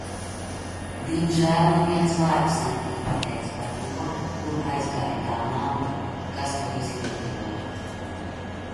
Diemžēl neviens vārds netika pateikts par to, kur aizgāja tā nauda, kas to izlietoja.